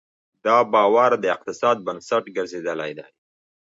دا باور د اقتصاد بنسټ ګرځېدلی دی.